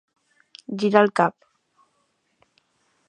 Girar el cap.